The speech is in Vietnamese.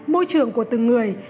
môi trường của từng người